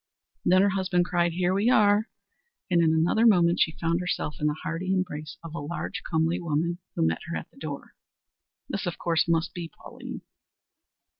Then her husband cried, "Here we are!" and in another moment she found herself in the hearty embrace of a large, comely woman who met her at the door. This of course must be Pauline.